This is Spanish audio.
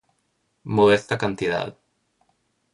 modesta cantidad